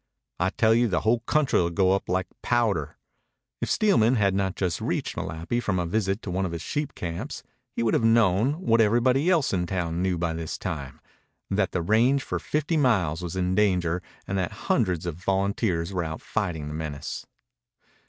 "I tell you the whole country'll go up like powder." If Steelman had not just reached Malapi from a visit to one of his sheep camps he would have known, what everybody else in town knew by this time, that the range for fifty miles was in danger and that hundreds of volunteers were out fighting the menace.